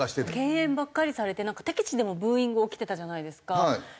敬遠ばっかりされて敵地でもブーイング起きてたじゃないですか。